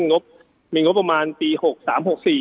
มีงบมีงบประมาณปีหกสามหกสี่